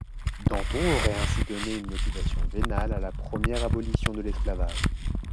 Danton aurait ainsi donné une motivation vénale à la première abolition de l'esclavage.